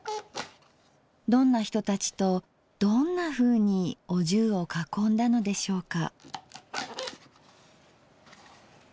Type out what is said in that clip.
どんな人たちとどんなふうにお重を囲んだのでしょうか。